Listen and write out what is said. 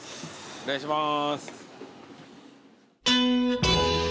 お願いします。